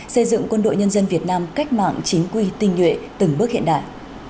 xây dựng quân đội nhân dân việt nam cách mạng chính quy tinh nhuệ từng bước hiện đại